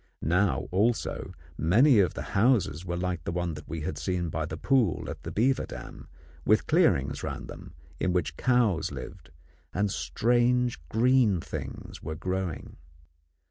Now, also, many of the houses were like the one we had seen by the pool at the beaver dam, with clearings round them in which cows lived and strange green things were growing.